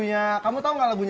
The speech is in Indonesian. sering ditoktokkan lagunya